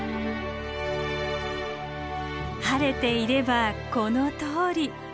晴れていればこのとおり。